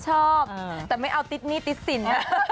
ชอบแต่ไม่เอาติดหนี้ติดสิน